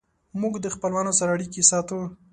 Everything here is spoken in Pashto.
موږ د خپلوانو سره اړیکې ساتو.